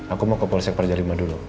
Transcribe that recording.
aku mau ke polsek prajarima dulu